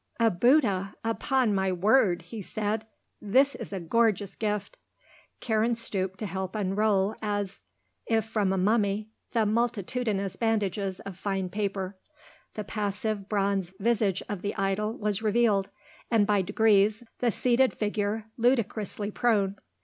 "A Bouddha, upon my word!" he said. "This is a gorgeous gift." Karen stooped to help unroll as if from a mummy, the multitudinous bandages of fine paper; the passive bronze visage of the idol was revealed, and by degrees, the seated figure, ludicrously prone.